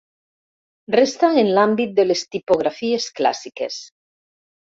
Resta en l'àmbit de les tipografies clàssiques.